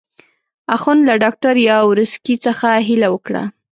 اخند له ډاکټر یاورسکي څخه هیله وکړه.